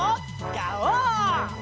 ガオー！